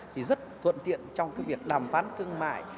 thì rất thuận tiện trong cái việc đàm phán thương mại